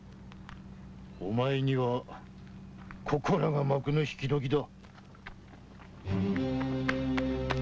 おめえにはここらが幕の引きどきだ。